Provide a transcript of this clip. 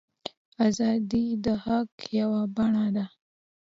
ازادي د حق یوه بڼه ده.